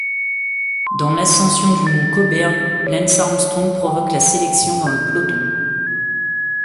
Dans l'ascension du Mont Cauberg, Lance Armstrong provoque la sélection dans le peloton.